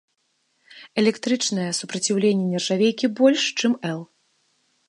Электрычнае супраціўленне нержавейкі больш, чым эл.